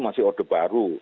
masih odeh baru